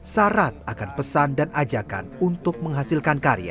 syarat akan pesan dan ajakan untuk menghasilkan karya